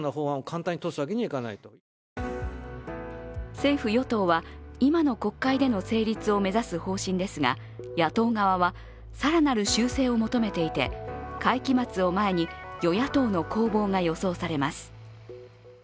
政府・与党は今の国会での成立を目指す方針ですが、野党側は更なる修正を求めていて会期末を前に与野党の攻防が予想されます。